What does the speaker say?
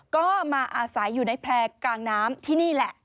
ก็มาอาศัยอยู่ในแพร่กลางน้ำที่นี่แหละ